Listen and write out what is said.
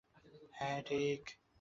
হ্যা, ঠিক!